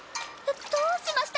どうしました？